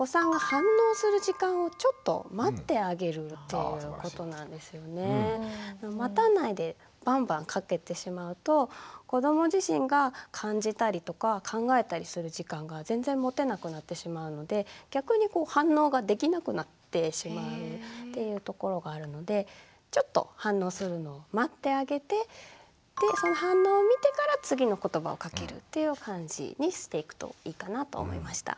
大事なのは待たないでバンバンかけてしまうと子ども自身が感じたりとか考えたりする時間が全然持てなくなってしまうので逆に反応ができなくなってしまうっていうところがあるのでちょっと反応するのを待ってあげてでその反応を見てから次のことばをかけるっていう感じにしていくといいかなと思いました。